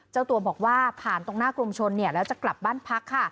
เจ้าตัวบอกว่าผ่านตรงหน้ากรมชนเนี่ยแล้วจะกลับบ้านพักค่ะ